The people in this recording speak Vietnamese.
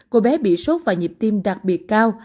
cô bé bị sốt và nhịp tim đặc biệt cao